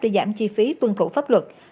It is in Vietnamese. để giảm chi phí tuân thủ pháp luật